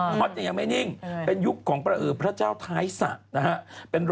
ต้นหอมเนี่ยทำงานในวงกายมานานเลยนะ